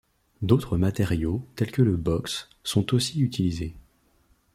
D'autres matériaux tel que le box sont aussi utilisés.